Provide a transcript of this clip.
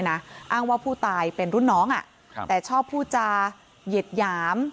อ้างว่าผู้ตายเป็นรุ่นน้องแต่ชอบพูดจาเหยียดหยาม